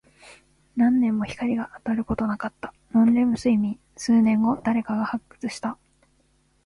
何年も光が当たることなかった。ノンレム睡眠。数年後、誰かが発掘した。